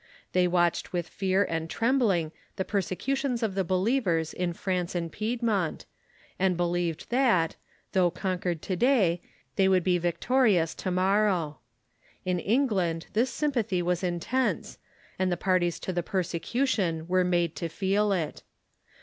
They watched with fear and trem bling the persecutions of the believers in France and Piedmont, and believed that, though conquered to day, they would be vic torious to morrow. In England this sympathy was intense, and the parties to the persecution were made to feel it.